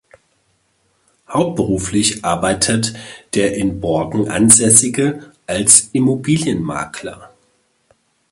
Hauptberuflich arbeitet der in Borken Ansässige als Immobilienmakler.